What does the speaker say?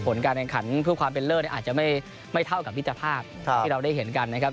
ผลการแข่งขันเพื่อความเป็นเลิศอาจจะไม่เท่ากับมิตรภาพที่เราได้เห็นกันนะครับ